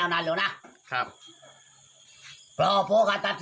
น่ะครับ